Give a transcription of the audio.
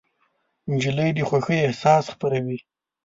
نجلۍ د خوښۍ احساس خپروي.